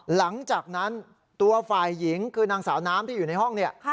หลังจากนั้นตัวฝ่ายหญิงคือนางสาวน้ำที่อยู่ในห้องเนี่ย